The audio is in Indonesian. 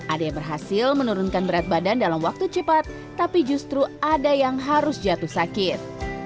ada yang berhasil menurunkan berat badan dalam waktu cepat tapi justru ada yang harus jatuh sakit